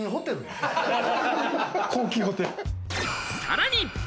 さらに。